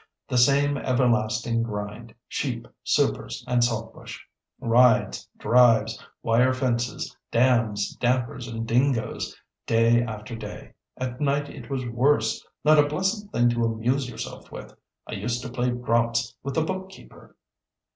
The same everlasting grind—sheep, supers, and saltbush; rides, drives, wire fences, dams, dampers, and dingoes—day after day. At night it was worse—not a blessed thing to amuse yourself with. I used to play draughts with the book keeper."